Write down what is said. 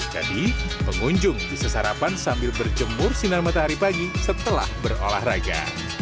jadi pengunjung bisa sarapan sambil berjemur sinar matahari pagi setelah berolahraga